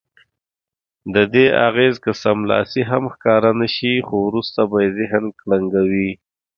ددې اغېز که سملاسي هم ښکاره نه شي خو وروسته به یې ذهن کړنګوي.